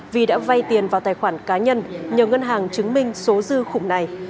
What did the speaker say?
vi đã vay tiền vào tài khoản cá nhân nhờ ngân hàng chứng minh số dư khủng này